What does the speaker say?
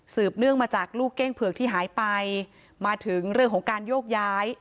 เนื่องมาจากลูกเก้งเผือกที่หายไปมาถึงเรื่องของการโยกย้าย